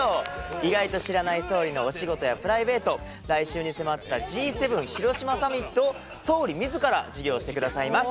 意外と知らない総理のお仕事やプライベート、来週に迫ったＧ７広島サミットを総理自ら授業してくださいます。